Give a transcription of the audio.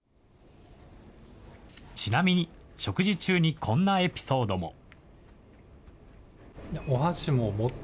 ちなみに食事中にこんなエピソードも。